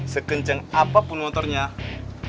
sekenceng apapun motornya kau pasti bisa